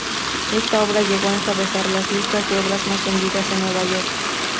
Esta obra llegó a encabezar las listas de obras más vendidas en Nueva York.